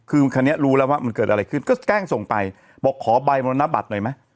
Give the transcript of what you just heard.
คือคันนี้รู้แล้วว่ามันเกิดอะไรขึ้นก็แกล้งส่งไปบอกขอใบมรณบัตรหน่อยไหม